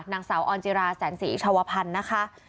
นางสาวออนจิราแสนศรีชาวพันธ์นะคะ